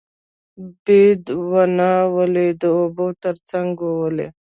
بید ونه ولې د اوبو تر څنګ وي؟